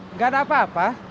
enggak ada apa apa